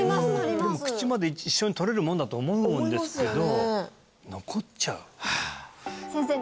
口まで一緒に取れるもんだと思うんですけど思いますよね